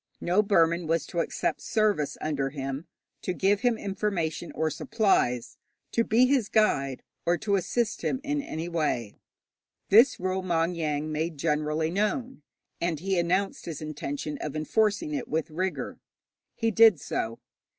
No Burman was to accept service under him, to give him information or supplies, to be his guide, or to assist him in any way. This rule Maung Yaing made generally known, and he announced his intention of enforcing it with rigour. He did so.